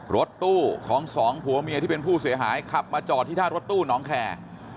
รถตู้ของสองผัวเมียที่เป็นผู้เสียหายขับมาจอดที่ท่ารถตู้น้องแคร์